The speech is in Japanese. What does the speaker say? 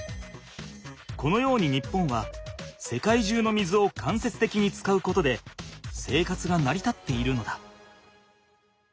このように日本は世界中の水を間接的に使うことで生活がなりたっているのだ。